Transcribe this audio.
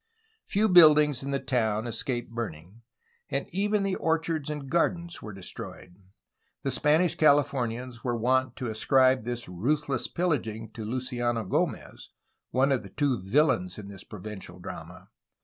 Few buildings in the town escaped burning, and even the orchards and gardens were destroyed. The Spanish Cali fornians were wont to ascribe this ruthless pillaging to Luciano G6mez, one of the two villains in this provincial drama.